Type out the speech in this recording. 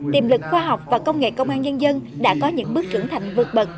tiềm lực khoa học và công nghệ công an nhân dân đã có những bước trưởng thành vượt bậc